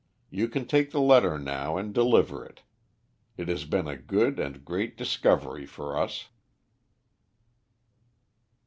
You can take the letter now and deliver it. It has been a good and great discovery for us."